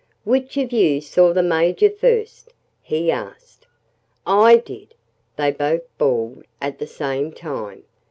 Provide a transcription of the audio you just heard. "Which of you saw the Major first?" he asked. "I did!" they both bawled at the same time.